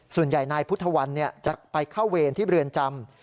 ส่วนใหญ่นายพุทธวันจะไปเข้าเวรที่เรือนจำ